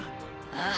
ああ。